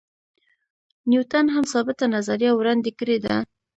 نیوټن هم ثابته نظریه وړاندې کړې ده.